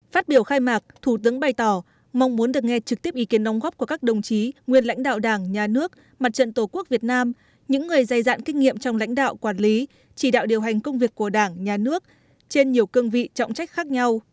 phát biểu khai mạc thủ tướng bày tỏ mong muốn được nghe trực tiếp ý kiến nông góp của các đồng chí nguyên lãnh đạo đảng nhà nước mặt trận tổ quốc việt nam những người dày dạn kinh nghiệm trong lãnh đạo quản lý chỉ đạo điều hành công việc của đảng nhà nước trên nhiều cương vị trọng trách khác nhau